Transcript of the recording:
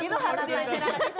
itu harus direncanakan